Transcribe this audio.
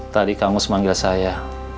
tadi kamu semanggil saya